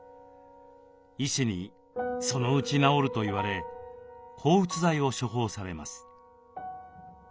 医師に「そのうち治る」と言われ抗うつ剤を処方されます。